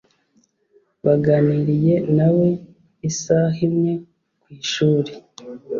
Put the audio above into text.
Baganiriye nawe isaha imwe ku ishuri.